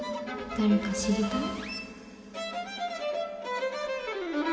誰か知りたい？